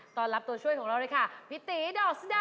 ตอนรับตัวช่วยของเราเลยค่ะพิติดอกสุดาว